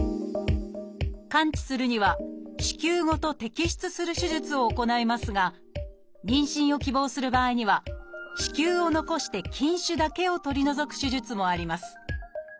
完治するには子宮ごと摘出する手術を行いますが妊娠を希望する場合には子宮を残して筋腫だけを取り除く手術もあります。